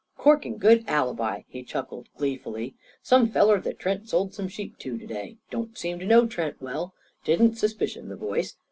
"Corking good alibi!" he chuckled gleefully. "Some feller that Trent sold some sheep to to day. Don't seem to know Trent well. Didn't suspicion the voice.